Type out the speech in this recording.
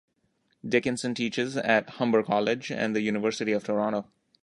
Dickinson teaches at Humber College and the University of Toronto.